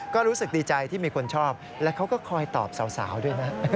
ก็รู้สึกดีใจที่มีคนชอบและเขาก็คอยตอบสาวด้วยนะ